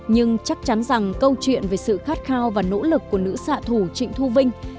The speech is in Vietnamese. nhưng chắc chắn rằng câu chuyện về sự khát khao và nỗ lực của nữ xạ thủ trịnh thu vinh